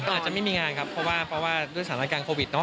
อาจจะไม่มีงานครับเพราะว่าเพราะว่าด้วยสถานการณ์โควิด